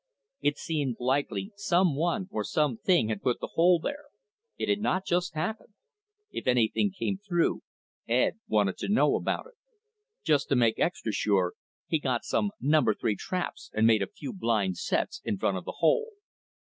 It seemed likely someone or something had put the hole there, it had not just happened. If anything came through, Ed wanted to know about it. Just to make extra sure, he got some number three traps and made a few blind sets in front of the hole.